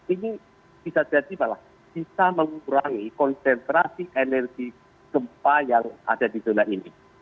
ini bisa jadi malah bisa mengurangi konsentrasi energi gempa yang ada di zona ini